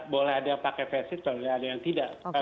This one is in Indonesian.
boleh ada yang pakai face shield ada yang tidak